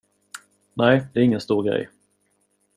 Nej, det är ingen stor grej.